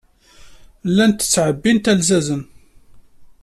Llant ttɛebbint alzazen.